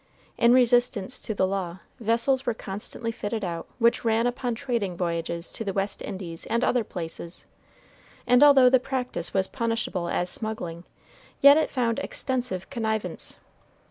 In resistance to the law, vessels were constantly fitted out which ran upon trading voyages to the West Indies and other places; and although the practice was punishable as smuggling, yet it found extensive connivance.